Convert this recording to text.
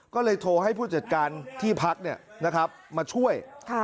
ก็เลยโทรให้ผู้จัดการที่พักมาช่วย